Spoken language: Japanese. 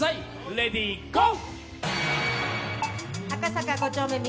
レディーゴー！